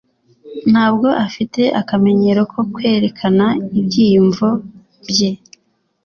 Ntabwo afite akamenyero ko kwerekana ibyiyumvo bye.